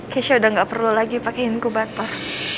keisha udah gak perlu lagi pakein kubat pak